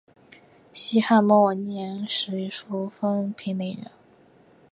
西汉末年右扶风平陵人。